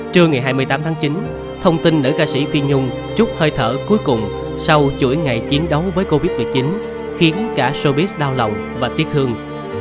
trưa ngày hai mươi tám tháng chín thông tin nữ ca sĩ phi nhung chút hơi thở cuối cùng sau chuỗi ngày chiến đấu với covid một mươi chín khiến cả sobit đau lòng và tiếc thương